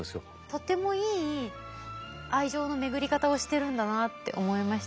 とてもいい愛情の巡り方をしてるんだなって思いましたね。